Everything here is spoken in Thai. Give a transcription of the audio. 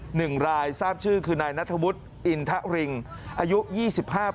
หนึ่งรายทราบชื่อคือนายนัทวุฒิอินทะริงอายุยี่สิบห้าปี